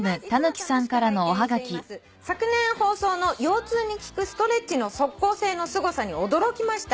「昨年放送の腰痛に効くストレッチの即効性のすごさに驚きました」